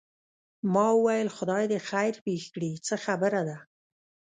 ما وویل خدای دې خیر پېښ کړي څه خبره ده.